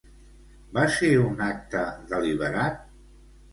Va ser un acte deliberat?